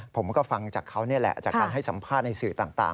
ผมก็ฟังจากเขานี่แหละจากการให้สัมภาษณ์ในสื่อต่าง